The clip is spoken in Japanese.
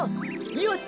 よし！